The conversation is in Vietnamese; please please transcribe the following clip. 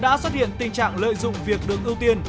đã xuất hiện tình trạng lợi dụng việc được ưu tiên